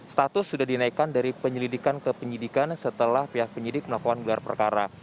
status sudah dinaikkan dari penyelidikan ke penyidikan setelah pihak penyidik melakukan gelar perkara